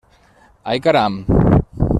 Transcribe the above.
Ai, caram!